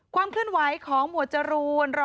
ความเคลื่อนไหวของหมวดจรูน